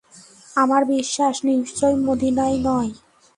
আমার বিশ্বাস, নিশ্চয় মদীনায় নয়।